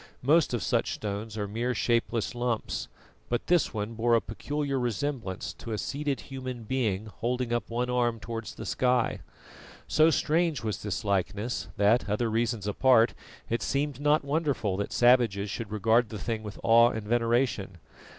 Most of such stones are mere shapeless lumps, but this one bore a peculiar resemblance to a seated human being holding up one arm towards the sky. So strange was this likeness that, other reasons apart, it seemed not wonderful that savages should regard the thing with awe and veneration.